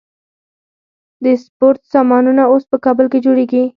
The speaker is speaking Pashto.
د سپورت سامانونه اوس په کابل کې جوړیږي.